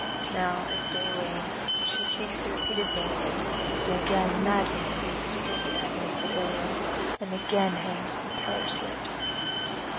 Now, as day wanes, she seeks the repeated banquet, and again madly pleads to hear the agonies of Ilium, and again hangs on the teller's lips.